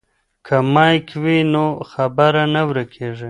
که مایک وي نو خبره نه ورکیږي.